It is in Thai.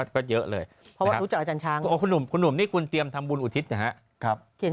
ก็พรุ่งนี้วัน๑๓